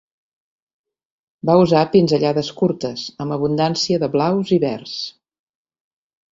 Va usar pinzellades curtes, amb abundància de blaus i verds.